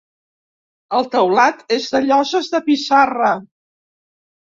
El teulat és de lloses de pissarra.